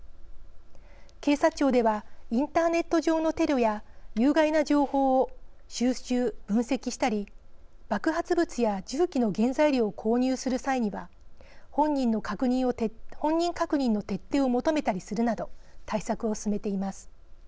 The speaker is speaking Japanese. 警察庁ではインターネット上のテロや有害な情報を収集分析したり爆発物や銃器の原材料を購入する際には本人確認の徹底を求めたりするなど対策を進めています。